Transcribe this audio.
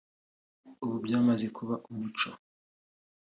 ubu byamaze kuba umuco